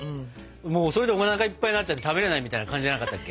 もうそれでおなかいっぱいになっちゃって食べれないみたいな感じじゃなかったっけ。